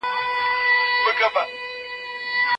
په فضا کې د تیږو تګ راتګ یوه طبیعي پروسه ده.